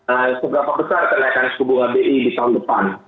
ee seberapa besar kenaikan suku bunga bi di tahun depan